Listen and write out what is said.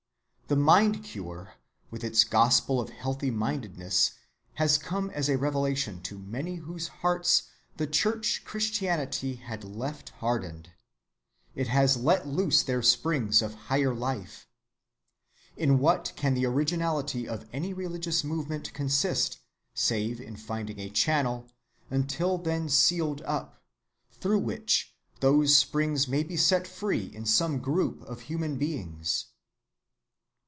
The mind‐cure with its gospel of healthy‐mindedness has come as a revelation to many whose hearts the church Christianity had left hardened. It has let loose their springs of higher life. In what can the originality of any religious movement consist, save in finding a channel, until then sealed up, through which those springs may be set free in some group of human beings?